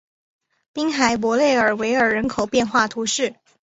滨海伯内尔维尔人口变化图示